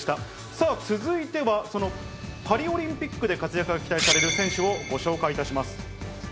さあ、続いては、そのパリオリンピックで活躍が期待される選手をご紹介いたします。